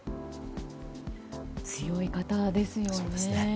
強い方ですよね。